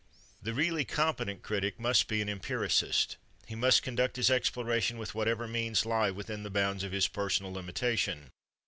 The really competent critic must be an empiricist. He must conduct his exploration with whatever means lie within the bounds of his personal limitation.